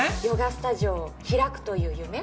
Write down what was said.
ヨガスタジオを開くという夢？